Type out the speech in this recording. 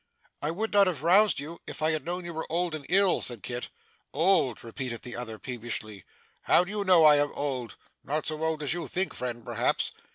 'I would not have roused you, if I had known you were old and ill,' said Kit. 'Old!' repeated the other peevishly. 'How do you know I am old? Not so old as you think, friend, perhaps.